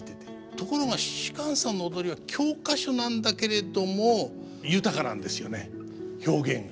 ところが芝さんの踊りは教科書なんだけれども豊かなんですよね表現が。